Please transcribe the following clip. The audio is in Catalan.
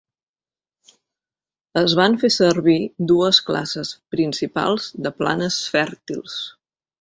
Es van fer servir dues classes principals de planes fèrtils.